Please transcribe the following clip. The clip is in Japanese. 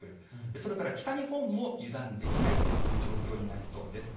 それから北日本も油断できないという状況になりそうです。